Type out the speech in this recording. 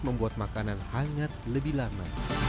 membuat makanan hangat lebih lama